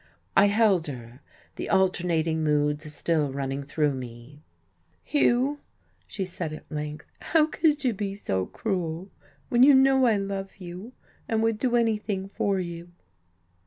I held her, the alternating moods still running through me. "Hugh," she said at length, "how could you be so cruel? when you know I love you and would do anything for you."